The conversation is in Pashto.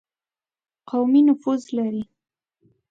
قومي نفوذ لري.